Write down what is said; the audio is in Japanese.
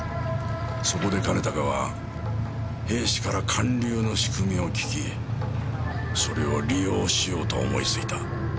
そこで兼高は兵士から還流の仕組みを聞きそれを利用しようと思いついた。